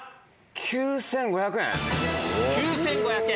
９５００円。